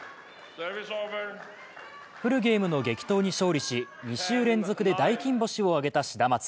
フルゲームの激闘に勝利し、２週連続で大金星を挙げたシダマツ。